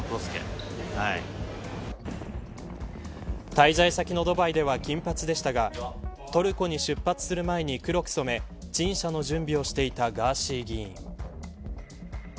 滞在先のドバイでは金髪でしたがトルコに出発する前に黒く染め陳謝の準備をしていたガーシー議員。